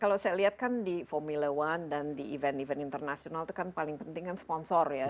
kalau saya lihat kan di formula one dan di event event internasional itu kan paling penting kan sponsor ya